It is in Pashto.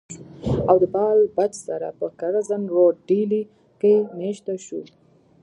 او د بال بچ سره پۀ کرزن روډ ډيلي کښې ميشته شو